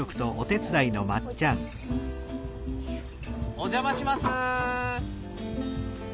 お邪魔します。